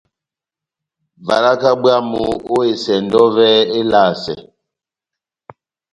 Valaka bwámu ó esɛndɔ yɔvɛ elasɛ.